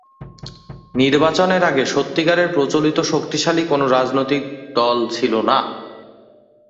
নির্বাচনের আগে সত্যিকারের প্রচলিত শক্তিশালী কোন রাজনৈতিক দল ছিল না।